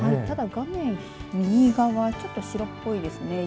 ただ画面右側ちょっと白っぽいですね。